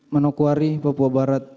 menokuari papua barat